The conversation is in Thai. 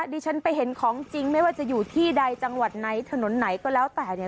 ดิฉันไปเห็นของจริงไม่ว่าจะอยู่ที่ใดจังหวัดไหนถนนไหนก็แล้วแต่เนี่ย